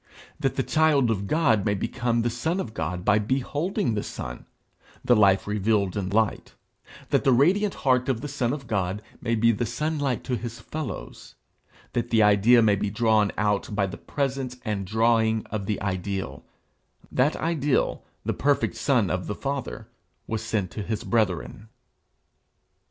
That the child of God may become the son of God by beholding the Son, the life revealed in light; that the radiant heart of the Son of God may be the sunlight to his fellows; that the idea may be drawn out by the presence and drawing of the Ideal that Ideal, the perfect Son of the Father, was sent to his brethren.